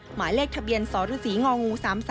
หมายเลขทะเบียนสรษีง๓๓๓๓